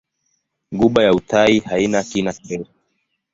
Ghuba ya Uthai haina kina kirefu.